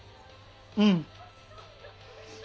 うん。